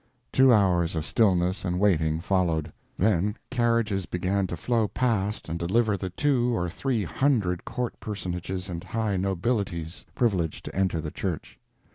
Two hours of stillness and waiting followed. Then carriages began to flow past and deliver the two or three hundred court personages and high nobilities privileged to enter the church.